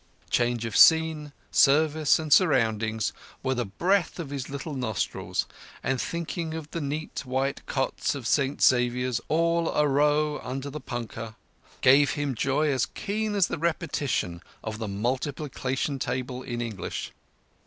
Change of scene, service, and surroundings were the breath of his little nostrils, and thinking of the neat white cots of St Xavier's all arow under the punkah gave him joy as keen as the repetition of the multiplication table in English.